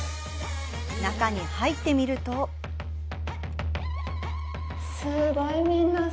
中に入ってみるとすごい。